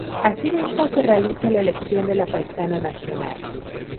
Así mismo se realiza la elección de la Paisana Nacional.